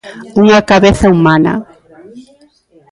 Unha cabeza humana.